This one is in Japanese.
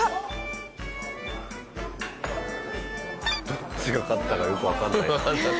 どっちが勝ったかよくわかんないな。